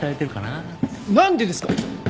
何でですか！